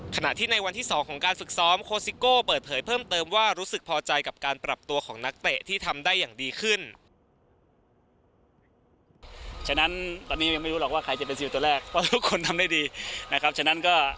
ขณะที่ในวันที่๒ของการฝึกซ้อมโคสิโก้เปิดเผยเพิ่มเติมว่ารู้สึกพอใจกับการปรับตัวของนักเตะที่ทำได้อย่างดีขึ้น